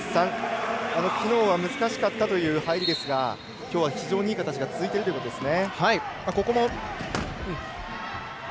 きのうは難しかったという入りですがきょうは非常にいい形が続いているという形ですね。